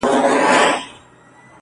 نه یې مینه سوای له زړه څخه شړلای٫